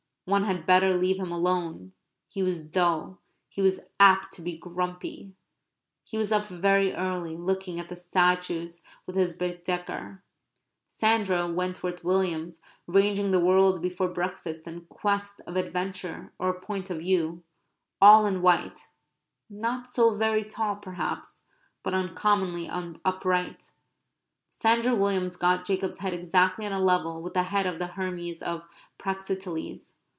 One had better leave him alone. He was dull. He was apt to be grumpy. He was up very early, looking at the statues with his Baedeker. Sandra Wentworth Williams, ranging the world before breakfast in quest of adventure or a point of view, all in white, not so very tall perhaps, but uncommonly upright Sandra Williams got Jacob's head exactly on a level with the head of the Hermes of Praxiteles.